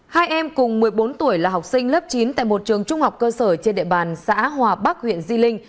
hai em cùng một mươi bốn tuổi là học sinh lớp chín tại một trường trung học cơ sở trên địa bàn xã hòa bắc huyện di linh